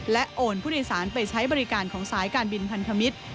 โอนผู้โดยสารไปใช้บริการของสายการบินพันธมิตร